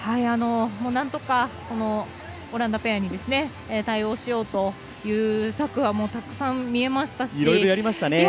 なんとかオランダペアに対応しようという策はたくさん見えましたし。